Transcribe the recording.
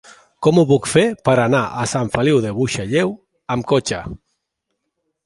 Com ho puc fer per anar a Sant Feliu de Buixalleu amb cotxe?